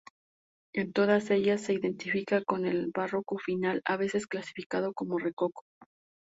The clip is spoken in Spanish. En todas ellas se identifica con el barroco final, a veces clasificado como rococó.